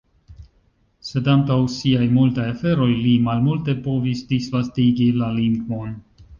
Sed, antaŭ siaj multaj aferoj, li malmulte povis disvastigi la lingvon.